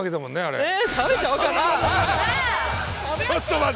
ちょっと待て。